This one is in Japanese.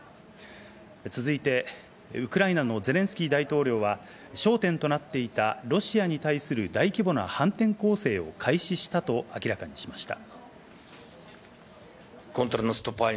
続いて、ウクライナのゼレンスキー大統領は焦点となっていたロシアに対する大規模な反転攻勢を開始したと明らかにしました。